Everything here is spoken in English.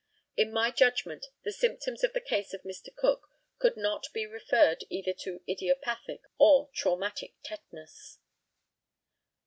In my judgment the symptoms in the case of Mr. Cook could not be referred either to idiopathic or traumatic tetanus.